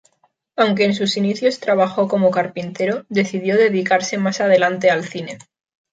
Aunque en sus inicios trabajó como carpintero, decidió dedicarse más adelante al cine.